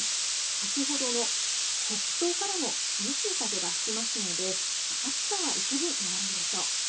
先ほどの北東からの涼しい風が吹きますので暑さはいくぶん和らぐでしょう。